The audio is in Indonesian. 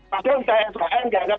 padahal jhskm dianggap